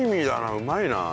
うまいなあ。